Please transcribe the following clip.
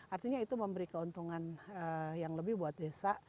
artinya itu memberi keuntungan yang lebih buat desa